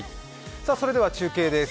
それでは中継です。